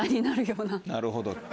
なるほど。